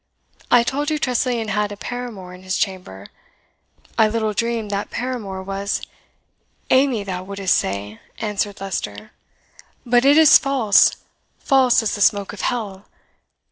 I told you Tressilian had a paramour in his chamber; I little dreamed that paramour was " "Amy, thou wouldst say," answered Leicester; "but it is false, false as the smoke of hell!